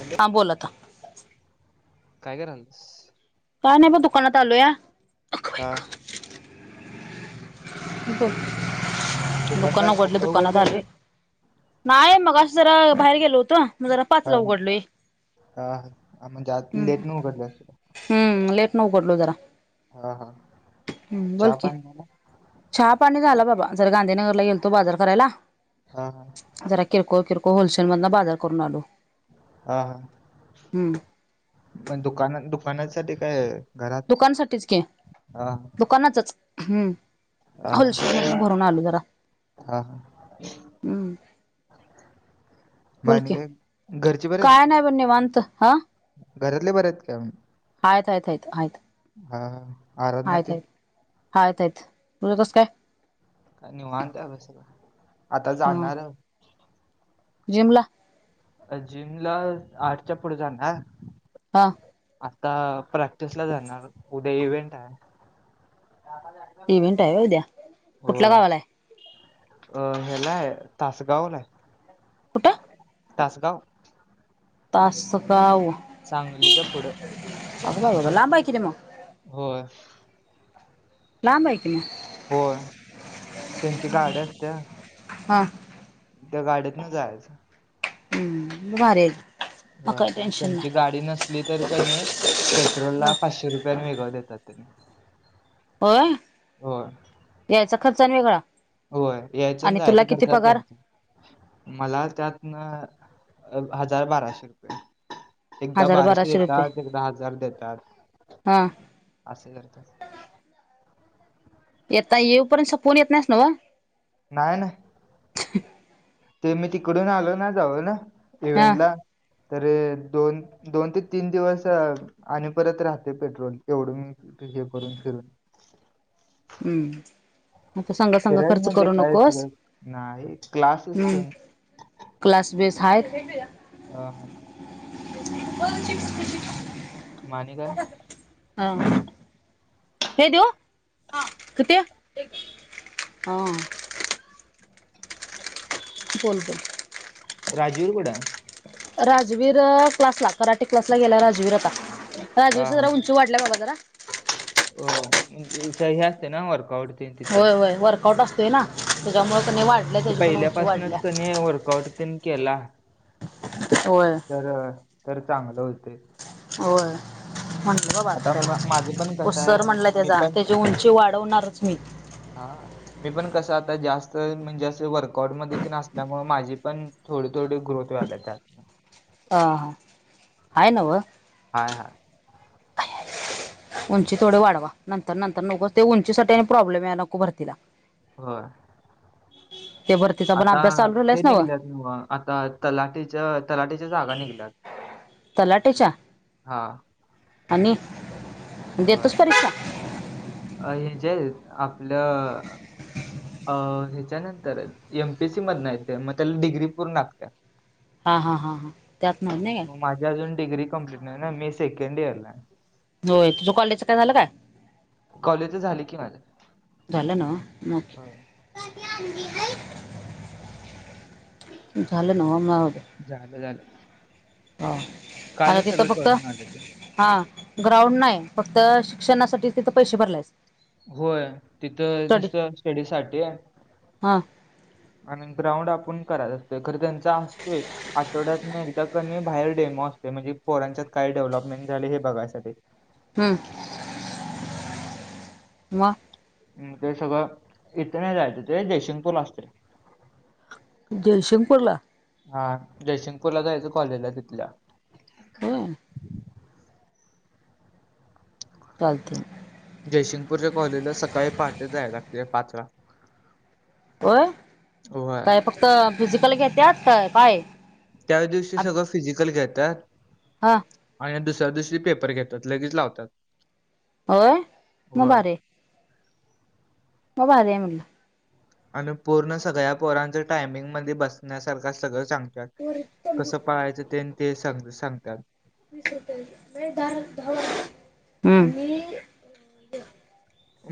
Hello हा बोल आता. काय करालीस? काय नाही बा दुकानात आलोया. हा. दुकान काय उघडलयं आत्ता दुकानात उघडलंस का? आलोय. नाही मगाशी जरा बाहेर गेलो होतो. मग जरा हा पाचला उघडलोय. हा म्हणजेत आज हम्म लेटन उघडलेस का? हम्म. लेट उघडलो जरा. हा हा हम् बोल चहा की? पाणी झाला? चा पाणी झालं बाबा जरा गांधीनगरला गेलतो बाजार करायला. हा. जरा किरकोळ किरकोळ होलसेल मधला बाजार करून आलो. हा. हम्म मग दुकान दुकानासाठी काय? घरात दुकानासाठीच की. हा दुकानातच. हम्म. हा हा होलशेल मधन हा भरून आलो जरा. हा हम्म. मग बोल आणि की काय? घरची बरेत? काय नाही ब निवांत. हा. घरातले बर आहेत का? हायित हायित हायित. हा. आराधना हायित तेन हायित हायित हायित. तुझं कसं काय? काय निवांत हाय ब सगळं‌. आता जाणार जीमला. अ जिमला आठच्या पुढे जाणार. हा. आता प्रॅक्टिस ला जाणार उद्या इव्हेंट हाय. इव्हेंट हाय व्हय उद्या. कुठल्या गावाला हाय? अ हेला हाय तासगावला. कुठं तासगाव. तासगाव. सांगलीच्या पुढं अग बाई लांब हाय कि रे मग. होय. लांब आहे कि मग. होय. त्यांची गाडी असत्या. हा. त्या गाडीतन जायाचं. हम्म म भारी आहे. मग व्हय. काही आणि टेन्शन त्यांची गाडी नसली तर कणी, पेट्रोल ला नाही पाचशे रुपये. तन वेगळं देत्यात ते. होय. यायचा खर्चा आणि वेगळा. होय, यायचं न आणि तुला जायचा किती खर्चा पगार त्यांचा. मला त्यातन हजार बाराशे रुपये. एकदा हजार बाराशे रुपये देतात, एकदा हजार देतात हा अस करतात. येता येऊपर्यंत, संपवून येत नाहीस नव्ह? नाही नाही. ते मी तिकडून आलो नाजाऊन, हा इव्हेंटला तर दोन दोन ते तीन दिवस आणि परत राहतय पेट्रोल, एवढून हे करून फिरून. हम्म. आता संग, संग फिरायला खर्च म्हणजे करू काय नकोस. फिरायला नाही क्लासेस ते हम्. क्लास बेस हाय. [unintelligible] हा. [inaudible] माणि गं हा. हे देऊ? हा किती? एकच हा. PhonePe. राजीव कुठंय? राजवीर क्लासला, कराटे क्लासला गेलाय राजवीर आता. हा राजवीरची हा जरा उंची वाढल्या बाबा जरा हे असतय ना वर्कआउट? ते तिथं होय होय वर्कआउट असतोय ना. त्याच्यामुळे हा कणी वाढल्या ते त्याची पण उंची पहिल्यापासनच वाढल्या कणी, वर्कआउट तेन केला. होय. तर तर चांगलं होतय. होय. म्हटलं आता म- माझं पण वाटतं, तो कसं सर आहे म्हणलाय मी तेचा, पण त्याची उंची वाढवणारच मी. हा मी पण कसं आता जास्त म्हणजे असं वर्कआउट मध्ये ते असल्यामुळे माझी पण थोडे थोडी ग्रोथ व्हायलिया त्यात. ह हां हाय नव्ह? हाय हाय. उंची थोड वाढवा. नंतर नंतर नको ते उंचीसाठी आणि प्रॉब्लेम यायला नको भरतीला. होय. ते भरतीचा पण आता अभ्यास चालू राहिलायस हे नव निघल्यात, म आता तलाठीच्या, तलाठीच्या जागा निघल्यात. [inaudible] तलाठीच्या? हां, आणि होय. देतोच परीक्षा? अ हे जे आपलं अ ह्याच्यानंतर एमपीएससी मधन आहेत त्या. मग त्याला डिग्री पूर्ण असत्या. हा हा हा हा त्यात नाही नाही. मग काय माझी अजून डिग्री कंप्लीट नाही ना. मी सेकंड इयरला आहे. होय तुझं कॉलेजचं काय झालं काय? कॉलेज तर झाली की माझं. झाला ना? होय, [unintelligible] झालं नवं? झालं झालं. हा आता कालच तिथं सगळं फक्त करून आलो ते. हा ग्राउंड नाही फक्त शिक्षणासाठी तिथं पैसे भरलायस होय तिथं स्टडी निसतं स्टडी साठी. हा आणि ग्राउंड आपूण करायचं खर त्यांचा असतोय आठवड्यात एक कणी बाहेर डेमो असतोय म्हणजे पोरांच्यात काय डेव्हलपमेंट झाली हे बघायसाठी. हम् [inaudible] म ते सगळं इथे नाही जायचं ते जयसिंगपूरला असतय. जयसिंगपूरला? हा जयसिंगपूरला जायचं कॉलेजला तिथल्या होय! चालते. जयसिंगपूरच्या कॉलेजला सकाळी पहाटे जायला लागते पाच ला होय होय. काय फक्त फिजिकल घेत्यात का काय? त्याच दिवशी सगळं फिजिकल घेतात. हा. आणि दुसऱ्या दिवशी पेपर घेतात लगेच लावतात. होय म होय. भारी हाय. म भारी हाय म्हणलं. आणि पूर्ण सगळ्या पोरांचं टायमिंग मध्ये बसण्यासारखं सगळं चांग कसं पाळायचं तेन ते सगळ सांगतात. [unintelligible] हं.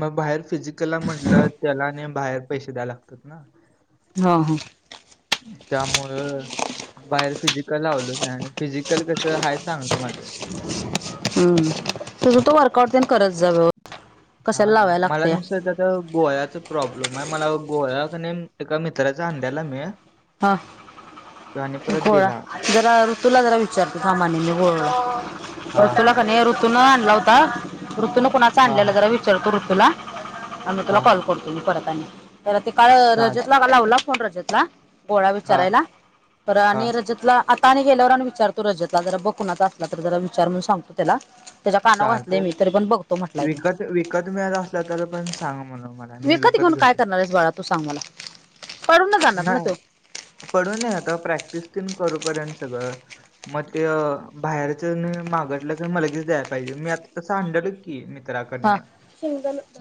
मग बाहेर फिजिकलला म्हटलं त्याला आणि बाहेर पैसे द्यायला लागतात ना हा हा. त्यामुळ बाहेर फिजिकल लावलच नाही आणि फिजिकल कस हाय चांगलं माझं. हम् तुझं तू वर्कआउट तेन करत जा वे कशाला लावाय लागतया गोळ्याच प्रॉब्लेम आहे मला गोळा कानाय एका मित्राचा आणलेला मी हा आणि परत गोळा दिला ऋतूला जरा विचारते थांब आणि मी गोळा हा हा ऋतूला का नाय ऋतू न आणला होता. ऋतूून कुणाच हा आणलेला हा जरा विचारतो ऋतूला अन् म तुला हा हा कॉल करतो मी परत आनी. तर ते काळ चालते रजतला का लावला फोन रजतला. गोळा हा विचारायला पर हा आणि रजतला आणि गेल्यावर आणि विचारतो रजतला जरा बघ कुणाचा असला तर जरा विचार म्हणून सांगतो त्याला. त्याच्या कानावर घातलय चालते मी तरी पण बघतो म्हटलाय तो विकत विकत मिळत असला तर पण सांगा म्हणा मला मी विकत घेऊन काय? घेतो करणारयस बाळा तू सांग मला? पडून ना जाणार ना नाही तो पडून आता प्रॅक्टिस तेन करू पर्यंत सगळं. म ते बाहेरच्यांनी मागितला की म लागेच द्यायला पाहिजे मी आता तसं आणलेला की कि हा मित्राकडनं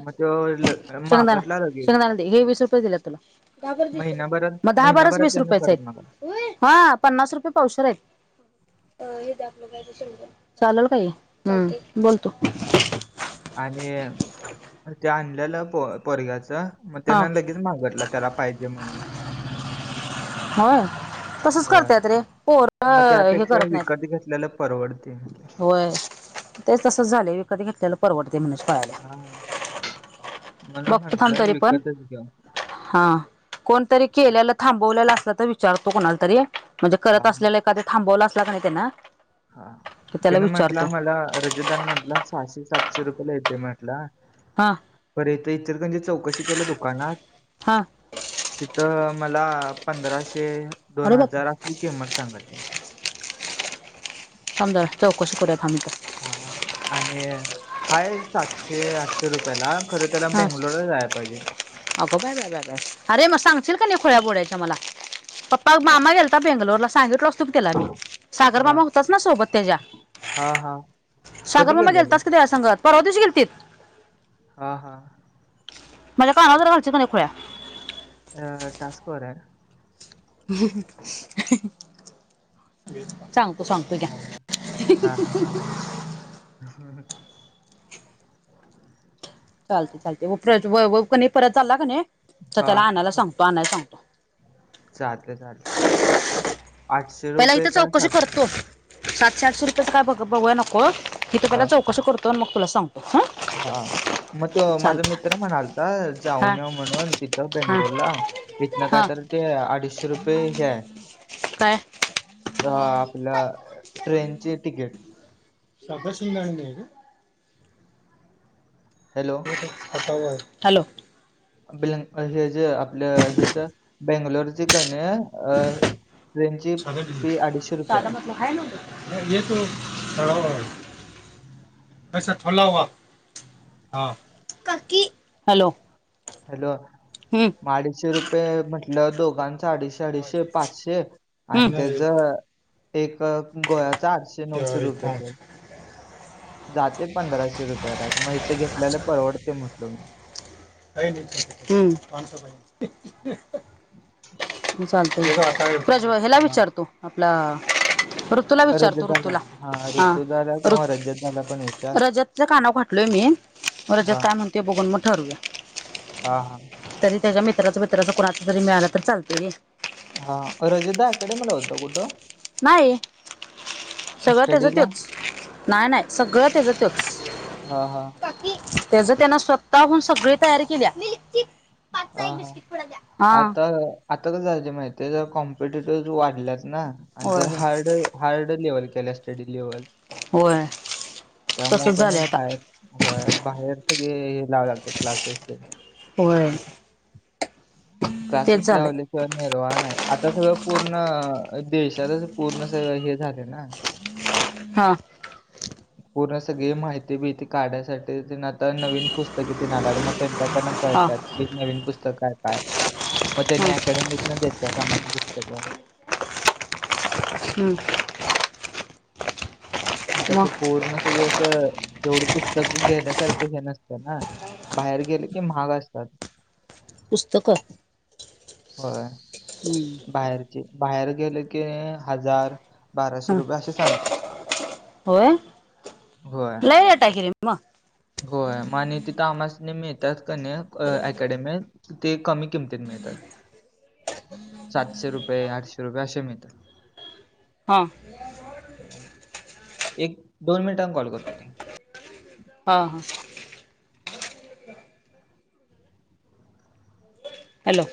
म तो शेंगदाणा मागितला लगेच. शेंगदाणा वीस रुपये दिले तुला महिनाभरात मग दहा बारा महिनाभरात वीस त्यानं रुपयाचं. परत मागवला पन्नास रुपये पावशेर हयात. चालेल काय हे हम् बोलतो तू. आणि ते आणल्यालं प पोरग्याचं मग हा त्यांन लगेच मागितला त्याला पाहिजे म्हणून होय तसच होय करत्यात रे पोर मग हे त्यापेक्षा करत नाहीत. विकत घेतलेल परवडतय होय ते तसच झालय विकत घेतलेल परवडतय म्हणायची पाळी आल्या हा म्हणून बघतो थांब म्हटल तरी पण विकतच घेऊया हा कोणतरी केल्याल थांबवलेल असल तर विचारतो कोणाला तरी म्हणजे हा करत असलेल एखाद थांबवलं असला का नाही त्यांन हा त्यान म्हटला मला रजत दा न म्हटला सहाशे सातशे रुपयला येतय म्हणला हा म्हणला खर इथ इचलकरंजीत चौकशी केलो दुकानात हा तिथं मला पंधराशे-दोन अरे बापरे हजार असली किंमत सांगितल्यात थांब जरा चौकशी करुया थांब हा-हा आणि हाय सातशे-आठशे रुपयला खरं त्याला बेंगलोरला जायला पाहिजे. आगं बाय-बाय-बाय अरे मग सांगशील का नाही खुळ्या बोड्याच्या मला पप्पा मामा गेलता बेंगलोरला सांगितलो असतो त्याला मी सागर हा मामा होताच ना सोबत त्याच्या. हा हा सागर कधी मामा गेलेले गेलताच की त्याच्या संग परवा दिवशी गेलतीत हा-हा माझ्या काना वर जरा घालचील कणी खुळ्या अ टास्क वर हाय ह. सांगतो-सांगतो हा घ्या ह. चालतय- चालतय वैभव परत चालला कणी तर हा त्याला आणायला सांगतो आणयला सांगतो चालतय-चालतय पहिला इथं चौकशी करतो सातशे-आठशे रुपयांच काय बघ बघायला नको इथं हा पहिला चौकशी करतो आणि मग तुला सांगतो हं हा मग त्यो माझा मित्र म्हणालता हां जाऊन येऊ म्हणून तिथं हां बेंगलोरला इथन काय हां तर ते अडीचशे रुपये हे हाय काय आपल ट्रेनची तिकीट साखर शेंगदाणे नाही काय हॅलो होय हॅल्लो ब हे जे आपल्या हेच बेंगलोरचे कणी अ ट्रेनची फी अडीचशे रुपये आहे. हाय नव्ह त्यात [unintelligible] [unintelligible] हॅलो हॅलो हम अडीचशे रुपये म्हटल दोघांच अडीचशे हाँ अडीशे ये पाचशे हम्म आणि नहीं त्याच एक गोव्याच आठशे ते क्या नऊशे अरे रुपयच पाँच जातय पंधराशे रुपयाला मग इथं घेतल्याल परवडतय म्हणलो पास पाहिजे हं हां प्रज हलां हा विचारतो आपलां तुलां रजत विचारतो दादा ऋतूंला हा ऋतू दादा किंवा रजत दादा पण विचार रजतंच्या कानांवरं घातंलय मी येतं मंग हा कायं म्हणते बघूंन मगं ठरूंया हां हां तरी त्यांच्या मित्रांचं मित्रांचं कणाचं जरी मिळालं तरं चालते हां रजिता अकॅडेमीला होतं कुठं नाहीं सगळं त्यांचा स्टडीला तोंचं नाहीं नाहीं सगळं तेचंतो हां हां त्यांचं त्यांना स्वंतःहून सगळे तयारी केली आहे पांच चां एक बिस्किट पूडां द्यां आंता क जायचे माहिती आहे जरं कॉम्पिटेटिव वाढल्यांत नां आणि होय जरं होय हार्ड हार्ड लेवल केल्यां असत्यां डीलेवरं होय तसच त्यांमुळे झालंय आता बाहेर होयं बाहेर सगळें हे लावं लागतं क्लासेस ते होयं क्लासेस लावले निर्वाहण आहे आंता सगळं पूर्ण देशांतच पूर्ण संग हे झाले नां हां पूर्ण सगळीं माहिती मीती काढण्यांसाठी तरं नवीन पुस्तके ते नां मगं जे कांना हा कळतांत की नवीन पुस्तकं आहे कायं मंग त्यांनी हं, अकॅडमीत नं द्यायच्यां सामान्यं पुस्तकं हम्मं मग त्यासं पूर्ण सगळं असं तेवढी पुस्तकं घेण्यांसारखं हे नसतं नां बाहेर गेले की महांग असतांत. पुस्तकं होयं हम्मं बाहेरचे बाहेर गेले की हजांर हं होयं लंय येतां गीरीस मगं होयं आणि आणि ते तमांसने मिळतांत की अकॅडमीत ते कमी किमतीत मिळतातं सातशे रुपये आठशे रुपये असे मिळतातं. हां हं एक दोन मिनटांन कॉल करतो हां हां हॅलो